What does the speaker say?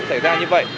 xảy ra như vậy